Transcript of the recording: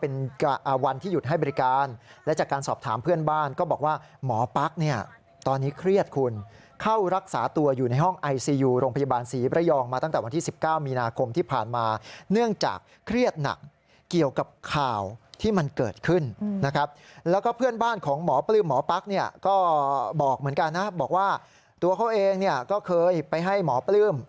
นะบอกว่าตัวเค้าเองเนี่ยก็เคยไปให้หมอปลื้ม